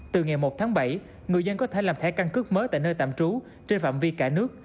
từ ngày một tháng bảy người dân có thể làm thẻ căn cước mới tại nơi tạm trú trên phạm vi cả nước